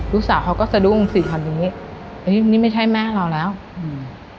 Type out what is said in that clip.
ลูกสาวเขาก็สะดุงสิพอนี้เอ๊ะนี่ไม่ใช่แม่เราแล้วอืม